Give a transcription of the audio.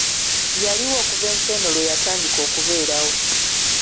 Yaliwo okuva ensi eno lweyatandika okubeerawo.